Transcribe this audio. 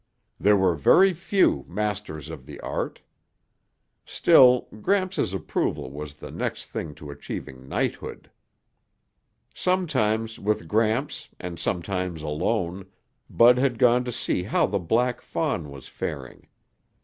There were very few masters of the art. Still, Gramps' approval was the next thing to achieving knighthood. Sometimes with Gramps and sometimes alone, Bud had gone to see how the black fawn was faring.